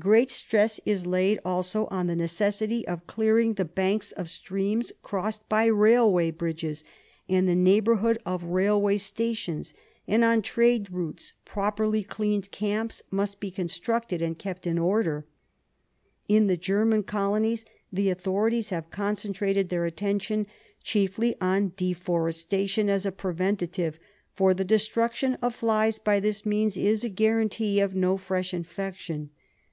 G reat stress is laid also on the necessity of clearing the banks of streams crossed by railway bridges, and the neigh bourhood of railway stations, and on trade routes properly 48 RESEARCH DEFENCE SOCIETY cleaned camps must be constructed and kept in order. In the German colonies the authorities have concentrated their attention chiefly on deforestation as a preventive, for the destruction of flies by this means is a guarantee of no fresh infection.